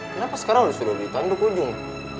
kenapa sekarang lu sudah di tanduk ujung